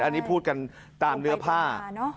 อันนี้พูดกันตามเนื้อผ้า